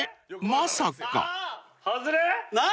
まさか］何？